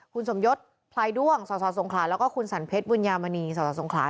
คุณสมยศพลายด้วงสสสงขลาแล้วก็คุณสันเพชรบุญญามณีสสงขลา